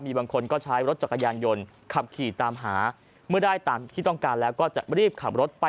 บางคนก็ใช้รถจักรยานยนต์ขับขี่ตามหาเมื่อได้ตามที่ต้องการแล้วก็จะรีบขับรถไป